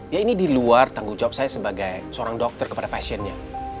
ya ini di luar tanggung jawab saya sebagai seorang dokter kepada pasiennya